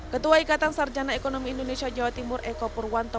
ketua ikatan sarjana ekonomi indonesia jawa timur eko purwanto